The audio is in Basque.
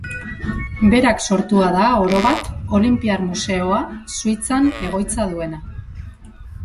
Berak sortua da, orobat, Olinpiar Museoa, Suitzan egoitza duena.